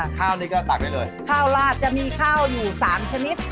ข้าวนี่ก็ตักได้เลยข้าวลาดจะมีข้าวอยู่สามชนิด